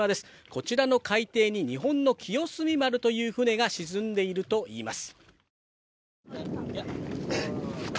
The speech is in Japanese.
こちらの海底に日本の「清澄丸」という船が沈んでいるといいます。